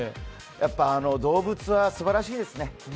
やっぱ動物はすばらしいですね。